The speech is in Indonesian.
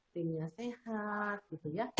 timnya sehat gitu ya